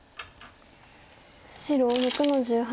白６の十八。